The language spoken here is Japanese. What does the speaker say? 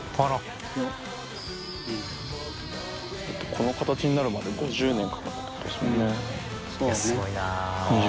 この形になるまで５０年かかったって言ってましたもんね。